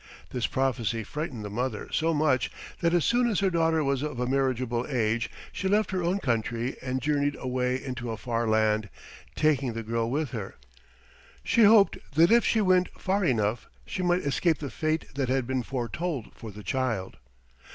This prophecy frightened the mother so much that as soon as her daughter was of a marriageable age she left her own country and journeyed away into a far land, taking the girl with her. She hoped that if she went far enough she might escape the fate that had been foretold for the child.